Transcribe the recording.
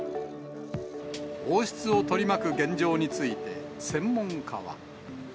王室を取り巻く現状について、専門家は。